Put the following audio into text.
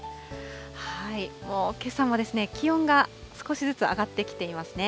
もうけさも気温が少しずつ上がってきていますね。